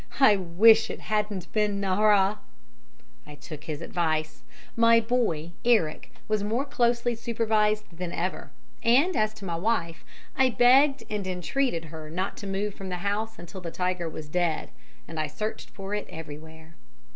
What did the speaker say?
I wish it hadn't been Nahra.' "I took his advice. My boy, Eric, was more closely supervised than ever, and as to my wife, I begged and entreated her not to move from the house until the tiger was dead, and I searched for it everywhere.